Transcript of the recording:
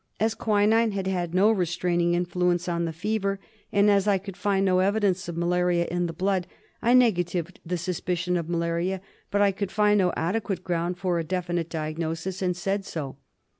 As quinine had had no restraining influence on the fever,, and as I could find no evidence of malaria in the blood,. I negatived the suspicion of malaria; but I could find no adequate ground for a definite diagnosis, and said so.